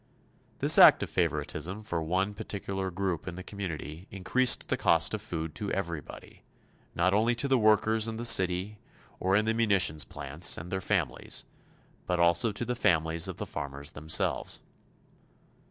This act of favoritism for one particular group in the community increased the cost of food to everybody not only to the workers in the city or in the munitions plants, and their families, but also to the families of the farmers themselves.